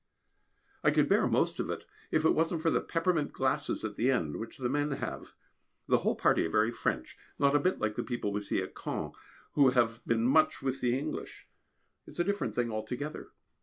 I could bear most of it, if it wasn't for the peppermint glasses at the end, which the men have. The whole party are very French, not a bit like the people we see at Cannes, who have been much with the English. It is a different thing altogether.